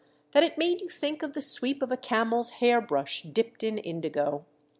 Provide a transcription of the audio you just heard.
that it made you think of the sweep of a camel's hair brush dipped in indigo.